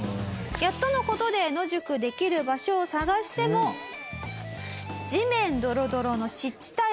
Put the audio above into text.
やっとの事で野宿できる場所を探しても地面ドロドロの湿地帯ばかり。